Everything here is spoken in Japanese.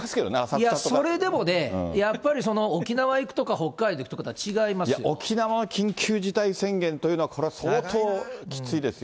いや、それでもね、やっぱり沖縄行くとか、北海道行くとかといや、沖縄も緊急事態宣言というのは、これは相当、きついですよ。